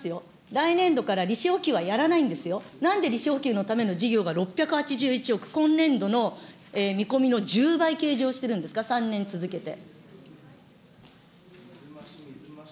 来年度から利子補給はやらないんですよ、なんで利子補給のための事業が６８１億、今年度の見込みの１０倍計上してるんですか、３年続けて。